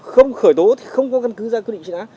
không khởi tố thì không có căn cứ ra quyết định truy nã